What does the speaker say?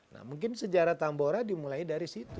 nah mungkin sejarah tambora dimulai dari situ